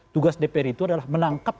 tugas dpr itu adalah menangkap